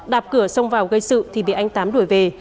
đạp cửa xông vào gây sự thì bị anh tám đuổi về